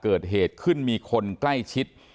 เกิดเหตุขึ้นมีคนใกล้ชิด